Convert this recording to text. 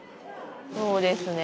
そうですね。